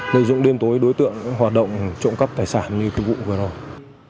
để dụng đêm tối đối tượng hoạt động trộm cắt tài sản như vụ vừa rồi